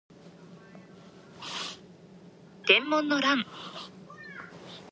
天文の乱